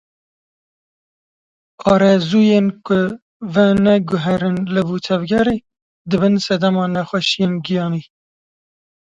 Arezûyên ku veneguherin liv û tevgerê, dibin sedema nexweşiyên giyanî.